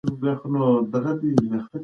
ډیجیټل لوبې د تمرکز مهارت لوړوي.